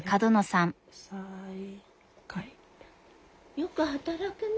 よく働くね。